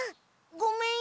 ごめんよ。